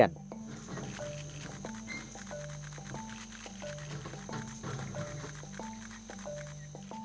kandang orang hutan dibuka bergantian